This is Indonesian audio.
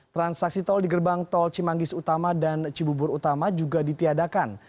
transaksi tol di gerbang tol cimanggis utama dan cibubur utama juga ditiadakan